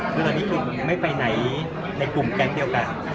คือหลังจากที่ไม่ไปไหนในกลุ่มแกลมเดียวกัน